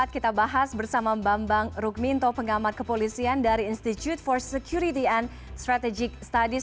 kita bahas bersama bambang rukminto pengamat kepolisian dari institute for security and strategic studies